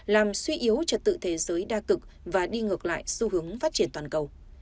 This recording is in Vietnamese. làm suy yếu trật tự thế giới đa cực và đi ngược lại xu hướng phát triển toàn cầu